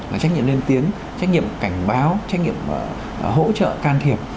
là trách nhiệm lên tiếng trách nhiệm cảnh báo trách nhiệm hỗ trợ can thiệp